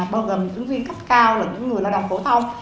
bao gồm ứng viên cấp cao là những người lao động phổ thông